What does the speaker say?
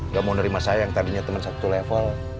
gak mau nerima saya yang tadinya teman satu level